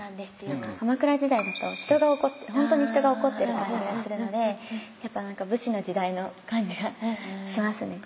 何か鎌倉時代だとほんとに人が怒ってる感じがするのでやっぱ武士の時代の感じがしますね。